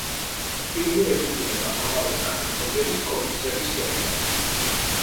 ფილმი ეფუძნება ამავე სახელწოდების კომიქსების სერიას.